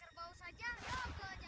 sampai tengah spread